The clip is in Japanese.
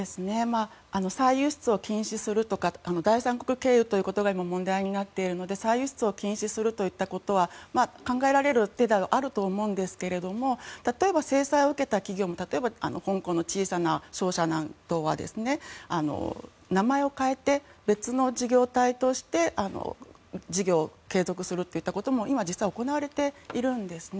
再輸出を禁止するとか第三国経由というのが今、問題となっているので再輸出を禁止するということは考えられる手ではあるとは思うんですが例えば制裁を受けた企業は例えば香港の小さな商社などは名前を変えて別の事業体として事業を継続するということも今、実は行われているんですね。